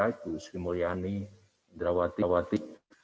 yaitu sri mulyani indrawati